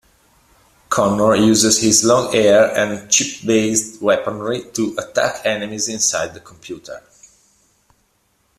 Connor uses his long hair and chip-based weaponry to attack enemies inside the computer.